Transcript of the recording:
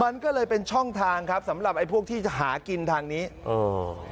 มันก็เลยเป็นช่องทางครับสำหรับไอ้พวกที่จะหากินทางนี้เออ